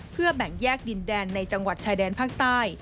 เพื่อแบ่งแยกดินแดนในจังหวัดชายแดนภาคใต้